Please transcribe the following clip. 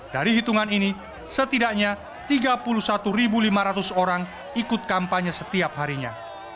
dari hitungan ini setidaknya tiga puluh satu lima ratus orang ikut kampanye setiap harinya